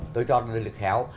tôi cho nên là khéo